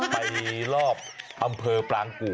ไปรอบอำเภอป่านกรุก